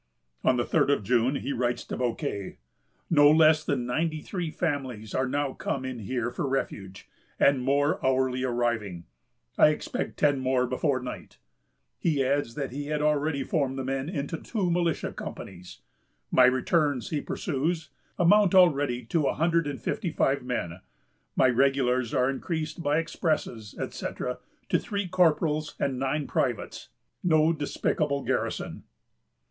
On the third of June, he writes to Bouquet: "No less than ninety three families are now come in here for refuge, and more hourly arriving. I expect ten more before night." He adds that he had formed the men into two militia companies. "My returns," he pursues, "amount already to a hundred and fifty five men. My regulars are increased by expresses, etc., to three corporals and nine privates; no despicable garrison!"